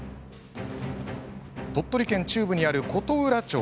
鳥取県中部にある琴浦町。